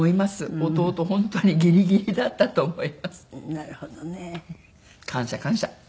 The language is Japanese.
なるほどね。感謝感謝。